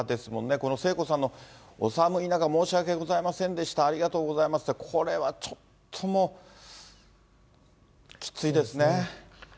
この聖子さんのお寒い中、申し訳ございませんでした、ありがとうございますって、これはちょっともう、きついですね。